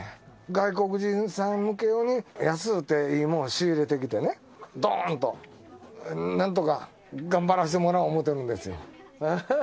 外国人さん向けように、安うていいもん仕入れてきてね、どーんと、なんとか頑張らせてもらおう思うとるんですよ。